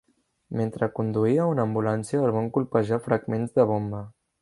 Mentre conduïa una ambulància el van colpejar fragments de bomba.